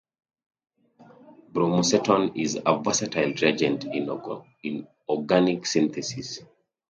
Bromoacetone is a versatile reagent in organic synthesis.